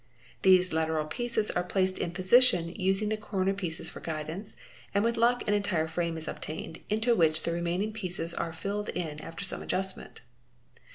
These lateral pieces are placed in position using the cor nel pieces for guidance and with luck an entire frame is obtained into which the remaining pieces are filled in after some adjustment.